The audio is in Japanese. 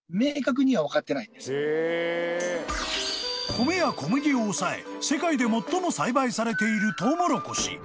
［米や小麦を抑え世界で最も栽培されているとうもろこし］